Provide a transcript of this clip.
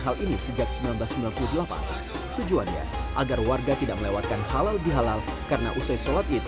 hal ini sejak seribu sembilan ratus sembilan puluh delapan tujuannya agar warga tidak melewatkan halal bihalal karena usai sholat id